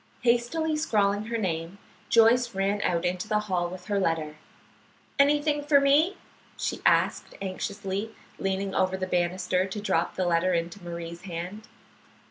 Hastily scrawling her name, Joyce ran out into the hall with her letter. "Anything for me?" she asked, anxiously, leaning over the banister to drop the letter into Marie's hand.